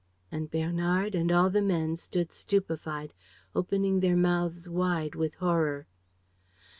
And Bernard and all the men stood stupefied, opening their mouths wide with horror.